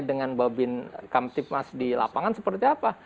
dengan babin kamtipmas di lapangan seperti apa